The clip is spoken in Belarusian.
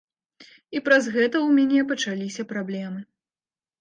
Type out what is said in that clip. І праз гэта ў мяне пачаліся праблемы.